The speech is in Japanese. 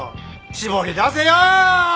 絞り出せよ！